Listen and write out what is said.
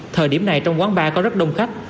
thời điểm này trong quán bar có rất đông khách